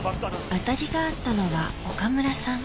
あたりがあったのは岡村さん